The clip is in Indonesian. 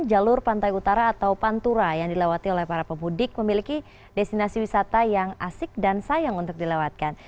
jalur pantai utara atau pantura yang dilewati oleh para pemudik memiliki destinasi wisata yang asik dan sayang untuk dilewatkan